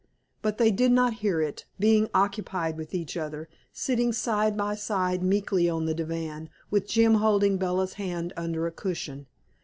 But they did not hear it, being occupied with each other, sitting side by side meekly on the divan with Jim holding Bella's hand under a cushion.